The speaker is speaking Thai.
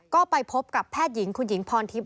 ก็ไปพบกับแพทย์หญิงคุณหญิงพรทิพย